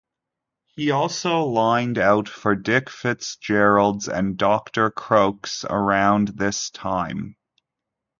He also lined out for Dick Fitzgeralds and Doctor Crokes around this time.